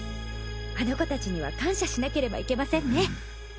あの子たちには感謝しなければいけませんね。